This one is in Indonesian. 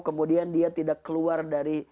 kemudian dia tidak keluar dari